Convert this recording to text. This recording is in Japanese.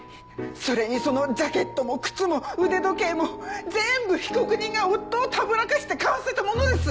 それにそのジャケットも靴も腕時計も全部被告人が夫をたぶらかして買わせたものです。